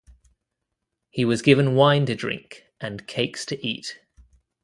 He was given wine to drink and cakes to eat.